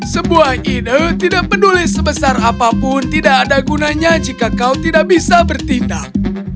sebuah ide tidak peduli sebesar apapun tidak ada gunanya jika kau tidak bisa bertindak